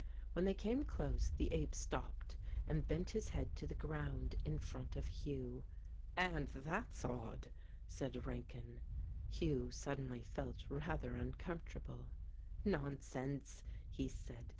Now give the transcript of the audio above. When they came close the ape stopped and bent his head to the ground in front of Hugh. "And that's odd," said Rankin. Hugh suddenly felt rather uncomfortable. "Nonsense!" he said.